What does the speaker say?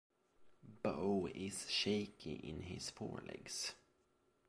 Beau is shaky in his forelegs.